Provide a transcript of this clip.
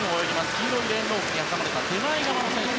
黄色いレーンロープに挟まれた手前側の選手。